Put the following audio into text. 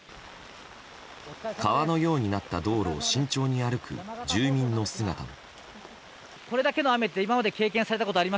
川のようになった道路を慎重に歩く住民の姿も。